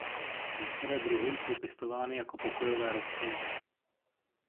Některé druhy jsou pěstovány jako pokojové rostliny.